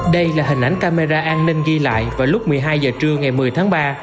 đây là hình ảnh camera an ninh ghi lại vào lúc một mươi hai h trưa ngày một mươi tháng ba